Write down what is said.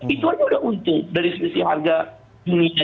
itu saja sudah untung dari spesial harga dunia